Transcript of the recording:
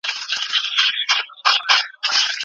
دا څېړنه به د نړیوالو اصولو سره برابره سي.